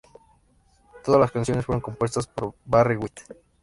Todas las canciones fueron compuestas por Barry White.